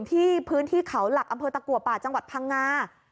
ที่พื้นที่เขาหลักอำเภอตะกัวป่าจังหวัดพังงา